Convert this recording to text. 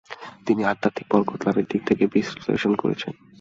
তিনি আধ্যাত্মিক বরকত লাভের দিক থেকে বিশ্লেষণ করেছেন।